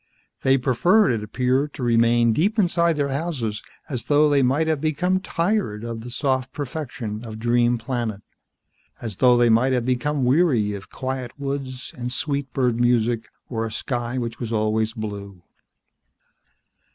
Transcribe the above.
They preferred, it appeared, to remain deep inside their houses, as though they might have become tired of the soft perfection of Dream Planet. As though they might have become weary of quiet woods and sweet bird music or a sky which was always blue.